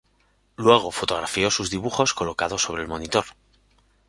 Luego fotografió sus dibujos colocados sobre el monitor.